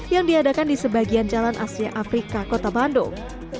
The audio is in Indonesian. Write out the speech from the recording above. yang diadakan di sebagian jalan asia afrika kota bandung